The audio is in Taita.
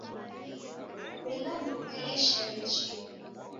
Ela ndoueleshere nicha.